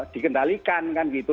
dikendalikan kan gitu